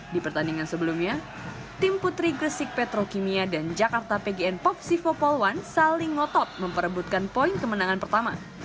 di pertandingan sebelumnya tim putri gresik petrokimia dan jakarta pgn popsivo pol satu saling ngotot memperebutkan poin kemenangan pertama